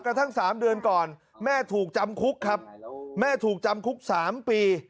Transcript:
กระทั่ง๓เดือนก่อนแม่ถูกจำคุกครับแม่ถูกจำคุก๓ปี